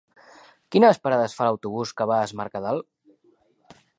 Quines parades fa l'autobús que va a Es Mercadal?